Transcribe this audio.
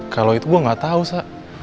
kalo itu gue gak tau sa